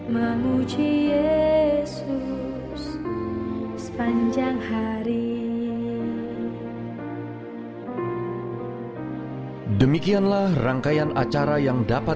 memuji yesus sepanjang hari